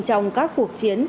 trong các cuộc chiến